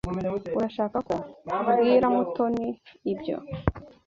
Urashaka ko mbwira Mutoni ibyo?